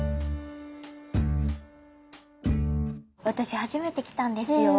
私初めて来たんですよ。